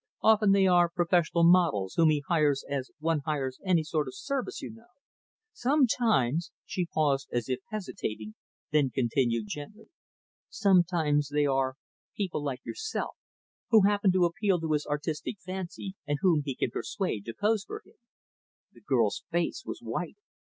Often, they are professional models, whom he hires as one hires any sort of service, you know. Sometimes " she paused as if hesitating, then continued gently "sometimes they are people like yourself, who happen to appeal to his artistic fancy, and whom he can persuade to pose for him." The girl's face was white.